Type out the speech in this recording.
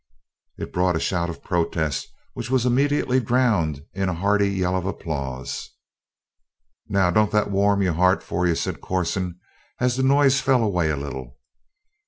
It brought a shout of protest which was immediately drowned in a hearty yell of applause. "Now, don't that warm your heart, for you?" said Corson as the noise fell away a little.